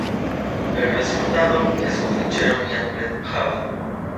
El resultado es un fichero MiApplet.java.